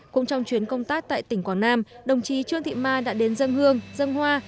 cùng trong chuyến công tác tại tỉnh quảng nam đồng chí trương thị mai đã đến dâng hương dâng hoa